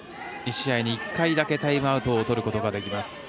１試合に１回だけタイムアウトをとることができます。